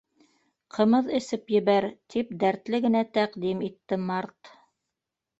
—Ҡымыҙ эсеп ебәр, —тип дәртле генә тәҡдим итте Март